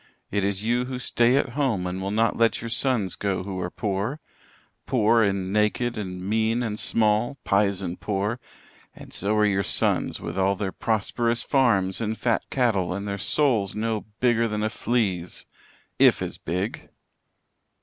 It is you who stay at home and will not let your sons go who are poor poor and naked and mean and small pisen poor, and so are your sons, with all their prosperous farms and fat cattle and their souls no bigger than a flea's if as big."